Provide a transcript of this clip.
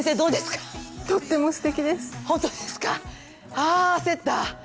あ焦った。